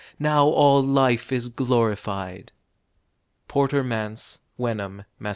Now all life Is glorified! _Porter Manse, Wenham, Mass.